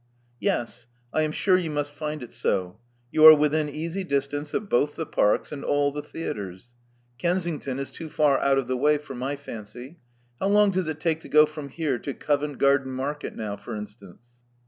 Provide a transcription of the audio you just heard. '*Yes. I am sure you must find it so. You are within easy distance of both the parks, and all the theatres. Kensington is too far out of the way for my fancy. How long does it take to go from here to Covent Garden Market now, for instance?"